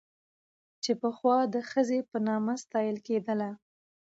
چې پخوا د ښځې په نامه ستايله کېدله